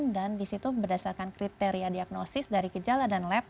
dan di situ berdasarkan kriteria diagnosis dari gejala dan lab